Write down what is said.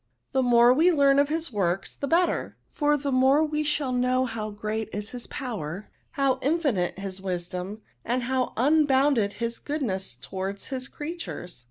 The more we learn of his works, the better ; for the more we shall know how great is his power, how infinite his wisdom, and how imbounded his goodness towards his creatures.'